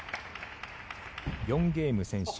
４ゲーム先取